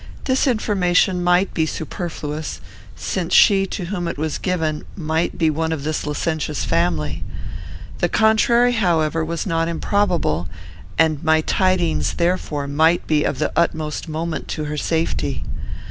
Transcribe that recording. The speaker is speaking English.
This information might be superfluous, since she to whom it was given might be one of this licentious family. The contrary, however, was not improbable, and my tidings, therefore, might be of the utmost moment to her safety.